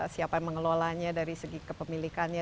siapa yang mengelolanya dari segi kepemilikannya